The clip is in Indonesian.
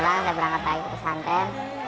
pulang saya berangkat lagi ke santan